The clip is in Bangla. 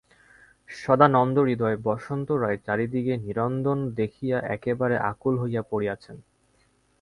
সদানন্দহৃদয় বসন্ত রায় চারিদিকে নিরানন্দ দেখিয়া একেবারে আকুল হইয়া পড়িয়াছেন।